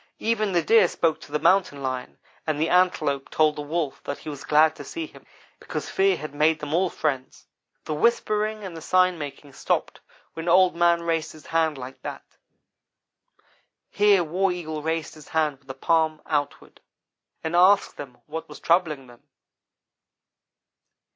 Even the Deer spoke to the Mountain lion, and the Antelope told the Wolf that he was glad to see him, because fear had made them all friends. "The whispering and the sign making stopped when Old man raised his hand like that" (here War Eagle raised his hand with the palm outward) "and asked them what was troubling them.